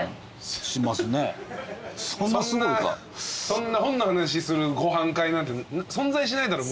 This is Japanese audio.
そんな本の話するご飯会なんて存在しないだろ。